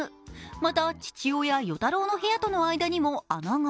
また父親与太郎の部屋との間にも穴が。